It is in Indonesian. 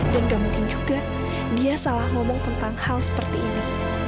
dan gak mungkin juga dia salah ngomong tentang hal seperti ini